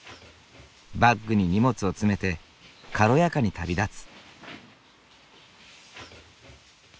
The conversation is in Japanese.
バッグに荷物を詰めて軽やかに旅立つ。